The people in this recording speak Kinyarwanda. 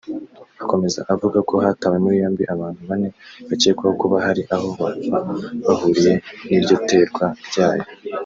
Akomeza avuga ko hatawe muri yombi abantu bane bakekwaho kuba hari aho baba bahuriye n’iryo terwa ryayo